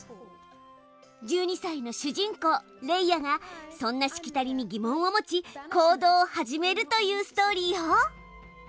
１２さいの主人公レイヤがそんなしきたりに疑問を持ち行動を始めるというストーリーよ。